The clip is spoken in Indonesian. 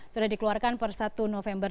sudah dikeluarkan per satu november